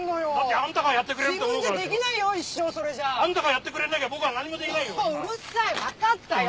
あんたがやってくれなきゃ僕は何もできないよ。